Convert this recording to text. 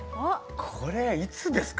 これいつですか？